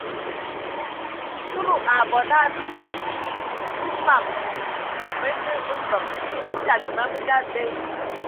Sikulu a bɔ na bi yem a mam mənə mbəŋ bi fyal e ma mənə abe.